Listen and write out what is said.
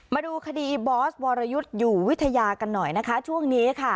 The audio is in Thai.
มาดูคดีบอสวรยุทธ์อยู่วิทยากันหน่อยนะคะช่วงนี้ค่ะ